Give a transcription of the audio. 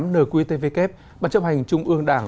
nqtvk bản chấp hành trung ương đảng